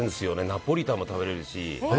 ナポリタンも食べれるし。